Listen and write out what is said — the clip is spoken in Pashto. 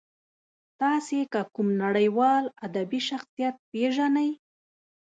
تاسې که کوم نړیوال ادبي شخصیت پېژنئ.